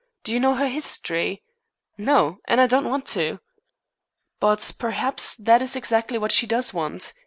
Do you know her history?" "No, and I don't want to." "But perhaps that is exactly what she does want.